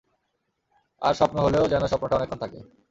আর স্বপ্ন হলেও যেন স্বপ্নটা অনেকক্ষণ থাকে।